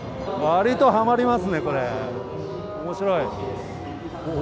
わりとはまりますね、これ、おもしろい。